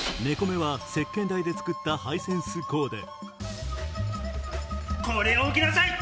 目は石けん台で作ったハイセンスコーデこれを受けなさい！